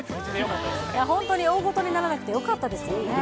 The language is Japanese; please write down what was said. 本当に大ごとにならなくてよかったですよね。